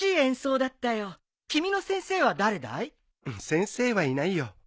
先生はいないよ。